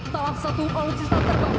salah satu alutsista terbang